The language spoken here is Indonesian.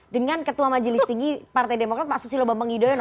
dengan ketua majelis tinggi partai demokrat pak susilo bambang yudhoyono